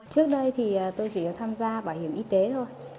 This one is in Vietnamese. trước đây thì tôi chỉ tham gia bảo hiểm y tế thôi